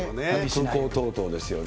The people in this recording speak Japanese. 空港等々ですよね。